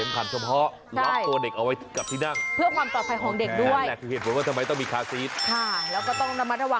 น่าจะตั้งแต่๕กรรยายนศักดิ์ปีที่แล้ว